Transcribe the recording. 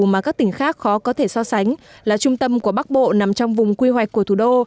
mà các tỉnh khác khó có thể so sánh là trung tâm của bắc bộ nằm trong vùng quy hoạch của thủ đô